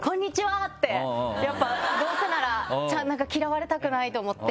やっぱどうせなら嫌われたくないと思って。